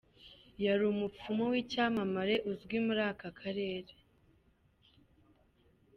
Yari umupfumu w’icyamamare uzwi muri aka karere.